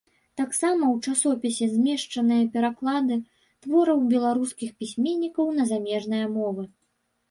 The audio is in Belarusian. Таксама ў часопісе змешчаныя пераклады твораў беларускіх пісьменнікаў на замежныя мовы.